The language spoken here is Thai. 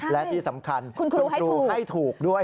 และที่สำคัญคุณครูให้ถูกด้วย